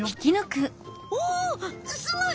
おおすごい！